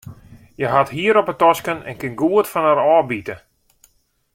Hja hat hier op de tosken en kin goed fan har ôfbite.